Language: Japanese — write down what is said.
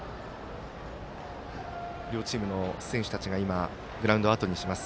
両チームの選手たちがグラウンドをあとにします。